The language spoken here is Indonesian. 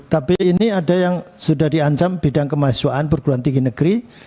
tapi ini ada yang sudah diancam bidang kemahasiaan perguruan tinggi negeri